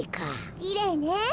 きれいね。